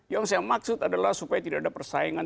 yang saya maksud adalah supaya tidak ada persaingan